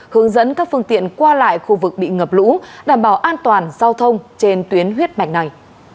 hướng dẫn các phương tiện qua lại khu vực bị ngập lũ đảm bảo an toàn giao thông trên tuyến huyết mạch này